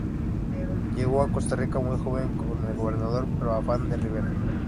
Llegó a Costa Rica muy joven, con el gobernador Pero Afán de Ribera.